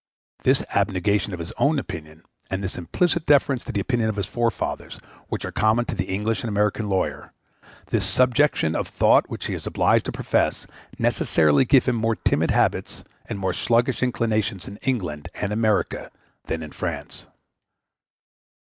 This abnegation of his own opinion, and this implicit deference to the opinion of his forefathers, which are common to the English and American lawyer, this subjection of thought which he is obliged to profess, necessarily give him more timid habits and more sluggish inclinations in England and America than in France.